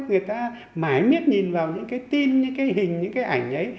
người ta mãi miết nhìn vào những cái tin những cái hình những cái ảnh đấy